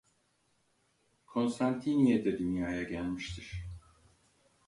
Kostantiniyye'de dünyaya gelmiştir.